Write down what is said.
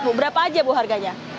berapa saja harganya